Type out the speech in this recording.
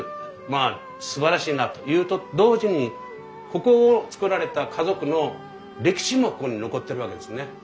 まあすばらしいなというと同時にここを造られた家族の歴史もここに残ってるわけですね。